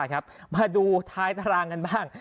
มาดูท้ายตารางกันบ้าง